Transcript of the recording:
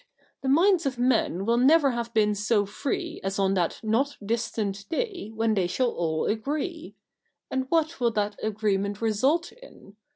The minds of men will never have been so free as on that not distant day when they shall all agree. And what will that agreement result in